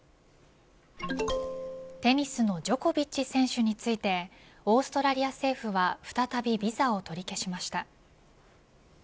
テニスのジョコビッチ選手についてオーストラリア政府は再び、ビザを取り消しました。